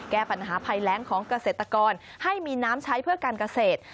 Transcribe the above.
แก้ปัญหาภัยแรงของเกษตรกรให้มีน้ำใช้เพื่อการเกษตร